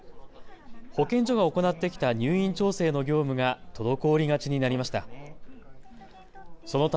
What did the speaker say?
保健所が行ってきた入院調整の業務が滞りがちになりました。